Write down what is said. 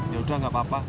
ya udah nggak apa apa